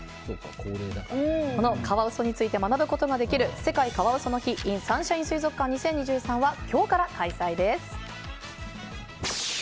カワウソについて学ぶことができる世界カワウソの日ｉｎサンシャイン水族館２０２３は今日から開催です。